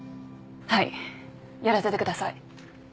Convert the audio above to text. はいやらせてください。